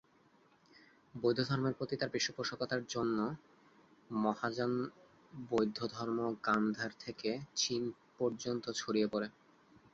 বৌদ্ধ ধর্মের প্রতি তার পৃষ্ঠপোষকতার জন্য মহাযান বৌদ্ধ ধর্ম গান্ধার থেকে চীন পর্য্যন্ত ছড়িয়ে পড়ে।